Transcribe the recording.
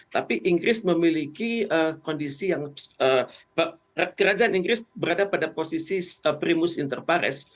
tapi inggris memiliki kondisi yang kerajaan inggris berada pada posisi primus interpares